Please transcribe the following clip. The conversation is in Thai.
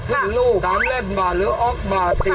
ครึ่งรูป๓เลขบาทหรือออกบาท